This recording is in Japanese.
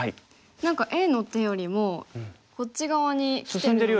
何かＡの手よりもこっち側にきてる。